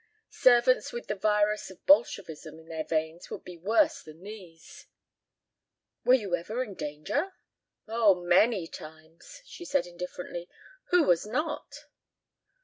Servants with the virus of Bolshevism in their veins would be worse than these." "Were you ever in danger?" "Oh, many times," she said indifferently. "Who was not?"